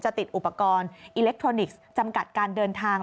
ติดอุปกรณ์อิเล็กทรอนิกส์จำกัดการเดินทาง